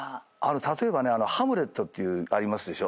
例えば『ハムレット』ってありますでしょ。